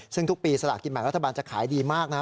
ซึ่งทุกปีสลากินแบ่งรัฐบาลจะขายดีมากนะครับ